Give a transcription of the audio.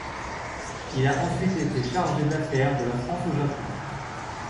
Il a ensuite été chargé d'affaires de la France au Japon.